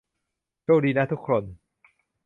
โชคดีนะทุกคน